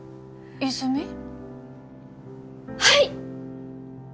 はい！